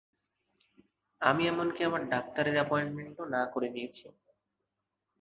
আমি এমনকি আমার ডাক্তারের অ্যাপয়েন্টমেন্টও না করে দিয়েছি।